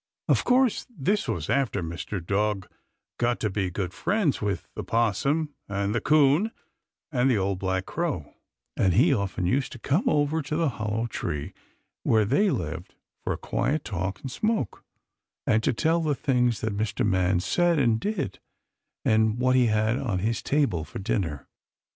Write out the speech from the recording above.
Of course this was after Mr. Dog got to be good friends with the 'Possum and the 'Coon and the old black Crow, and he often used to come over to the Hollow Tree, where they lived, for a quiet talk and smoke, and to tell the things that Mr. Man said, and did, and what he had on his table for dinner.